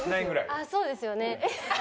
ああそうですよね。